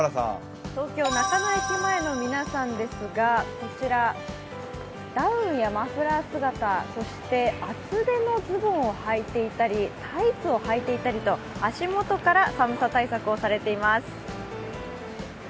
東京・中野駅前の皆さんですが、こちら、ダウンやマフラー姿厚手のズボンをはいていたりタイツをはいていたりと、足元から寒さ対策をされています。